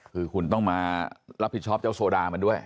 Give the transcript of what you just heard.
คือคุณต้องมารับผิดชอบเจ้าโซดามันด้วย